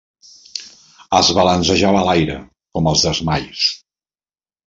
Es balancejava a l'aire, com els desmais.